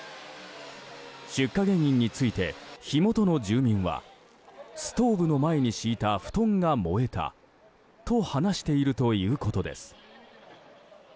出火原因について火元の住民はストーブの前に敷いた布団が燃えたと話しているということです。